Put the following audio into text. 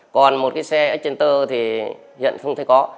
còn một cái xe x trên tơ thì hiện không thấy có